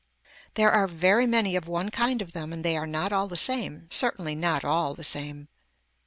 There are very many of one kind of them and they are not all the same, certainly not all the same.